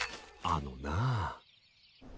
あのなあ。